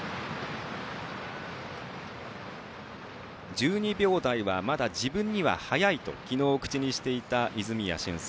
１２秒台はまだ自分には早いと昨日、口にしていた泉谷駿介。